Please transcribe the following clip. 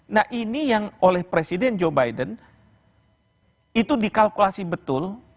nah ini yang oleh presiden joe biden itu dikalkulasi betul